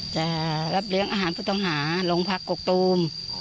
จ้าแล้วเลี้ยงอาหารผู้ต้องหาลงพักกกกตูม